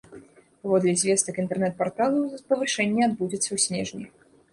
Паводле звестак інтэрнэт-парталу, павышэнне адбудзецца ў снежні.